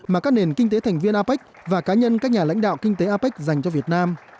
mà các nền kinh tế thành viên apec và cá nhân các nhà lãnh đạo kinh tế apec dành cho việt nam